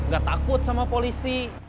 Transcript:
gak takut sama polisi